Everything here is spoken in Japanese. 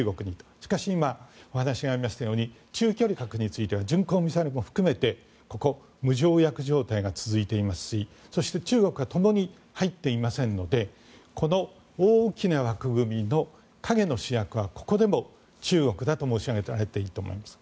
しかし今、私が言いましたように中距離核については巡航ミサイルも含めてここ、無条約状態が続いていますしそして中国はともに入っていませんのでこの大きな枠組みの陰の主役はここでも中国だと申し上げてあえて、いいと思います。